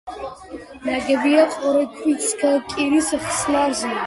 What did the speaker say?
ნაგებია ყორე ქვით-სქელ კირის ხსნარზე.